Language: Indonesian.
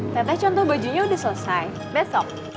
teteh contoh bajunya udah selesai besok